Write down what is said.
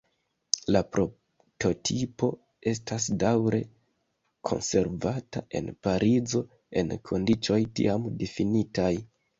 La prototipo estas daŭre konservata en Parizo, en kondiĉoj tiam difinitaj.